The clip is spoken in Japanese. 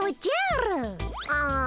ああ